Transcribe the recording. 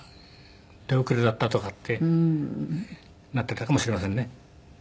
手遅れだったとかってなっていたかもしれませんね。